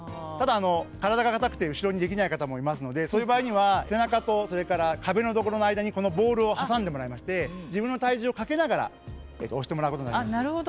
ただあの体が硬くて後ろにできない方もいますのでそういう場合には背中とそれから壁のところの間にこのボールを挟んでもらいまして自分の体重をかけながら押してもらうことになります。